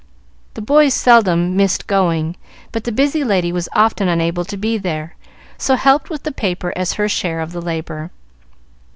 The boys seldom missed going, but the busy lady was often unable to be there, so helped with the paper as her share of the labor.